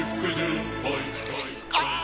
ああ！